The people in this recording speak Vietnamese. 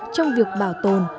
trong việc bảo tồn